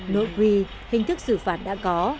nội quy hình thức xử phạt đã có